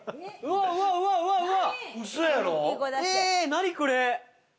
何これ！